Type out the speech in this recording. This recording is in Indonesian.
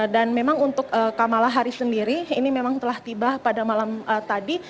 dan memang untuk kamala harris sendiri ini memang telah tiba pada malam tadi